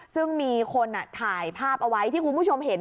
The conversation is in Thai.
ซึ่งมีคนถ่ายภาพเอาไว้ที่คุณผู้ชมเห็น